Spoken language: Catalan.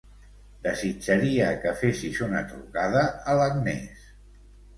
Desitjaria que fessis una trucada a l'Agnès.